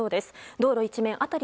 道路一面、辺り